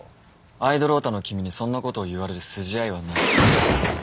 アイドルヲタの君にそんなことを言われる筋合いはない。